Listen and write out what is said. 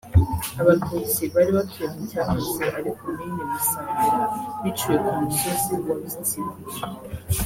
Abatutsi bari batuye mu cyahoze ari Komini Musambira biciwe ku musozi wa Bitsibo